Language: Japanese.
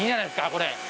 これ。